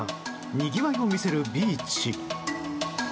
にぎわいを見せるビーチ。